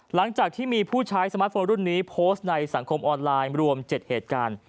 หลังจากที่มีผู้ใช้สมาร์ทโฟนรุ่นนี้โพสต์ในสังคมออนไลน์รวม๗เหตุการณ์